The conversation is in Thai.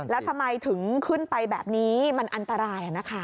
แล้วทำไมถึงขึ้นไปแบบนี้มันอันตรายนะคะ